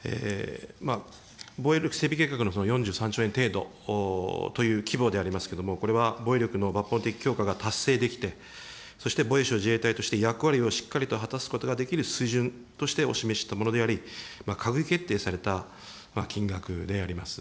防衛力整備計画の４３兆円程度という規模でありますけれども、これは防衛力の抜本的強化が達成できて、そして防衛省・自衛隊として役割をしっかりと果たすことができる水準としてお示ししたものでありまして、閣議決定された金額であります。